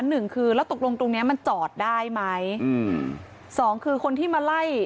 หนึ่งคือแล้วตกลงตรงเนี้ยมันจอดได้ไหมอืมสองคือคนที่มาไล่